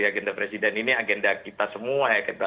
agenda presiden ini agenda kita semua